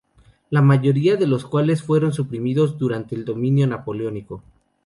La mayoría de los cuales fueron suprimidos durante el dominio Napoleónico.